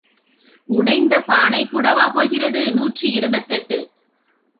உடைந்த பானை கூடவா போகிறது? நூற்றி இருபத்தெட்டு.